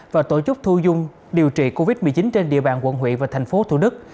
và tổ chức thu dung điều trị covid một mươi chín trên địa bàn quận huyện và thành phố thủ đức